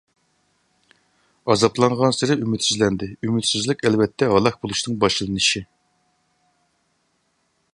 ئازابلانغانسېرى ئۈمىدسىزلەندى. ئۈمىدسىزلىك ئەلۋەتتە ھالاك بولۇشنىڭ باشلىنىشى.